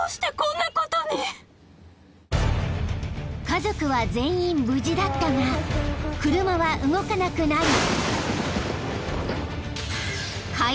［家族は全員無事だったが車は動かなくなり］